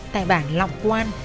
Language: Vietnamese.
tài bản lọc quan